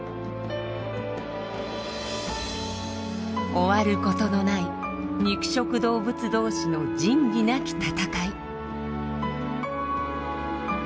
終わることのない肉食動物同士の仁義なき戦い。